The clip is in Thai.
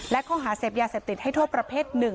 และข้อหาเสพยาเสพติดให้โทษประเภท๑